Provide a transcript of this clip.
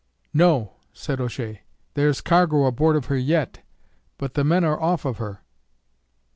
"No," said O'Shea; "there's cargo aboard of her yit, but the men are off of her."